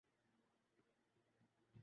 سوچیں بہت محنت کی